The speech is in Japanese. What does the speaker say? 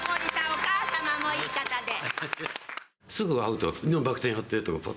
お母様もいい方で。